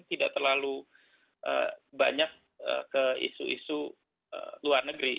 tidak terlalu banyak ke isu isu luar negeri